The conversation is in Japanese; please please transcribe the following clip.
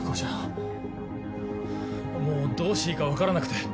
もうどうしていいか分からなくて。